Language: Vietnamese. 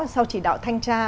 sau chỉ đạo thanh tra